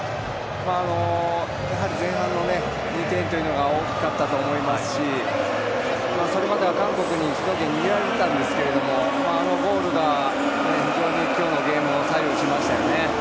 やはり前半の２点というのが大きかったと思いますしそれまでは韓国に主導権握られてたんですけれどもあのゴールが非常に今日のゲームを左右しましたね。